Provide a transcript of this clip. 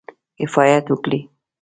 کفایت وکړي.